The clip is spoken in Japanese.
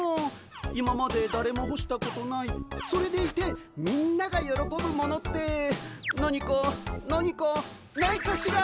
今までだれもほしたことないそれでいてみんながよろこぶものって何か何かないかしら。